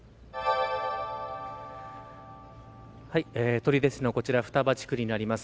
取手市のこちら双葉地区です。